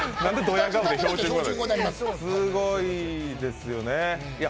すごい、いいですよね。